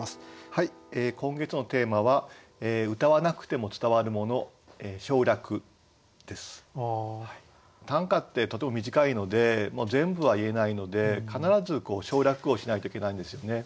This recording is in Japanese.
はい今月のテーマは短歌ってとても短いので全部は言えないので必ず省略をしないといけないんですよね。